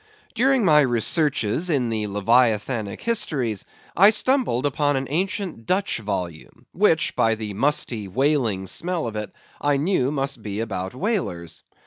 During my researches in the Leviathanic histories, I stumbled upon an ancient Dutch volume, which, by the musty whaling smell of it, I knew must be about whalers.